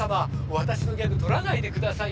わたしのギャグとらないでくださいよ。